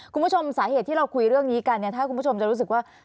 คุณผู้ชมสาเหตุที่เราคุยเรื่องนี้กันเนี่ยถ้าคุณผู้ชมจะรู้สึกว่า